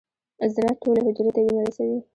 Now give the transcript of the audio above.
زړه ټولې حجرې ته وینه رسوي.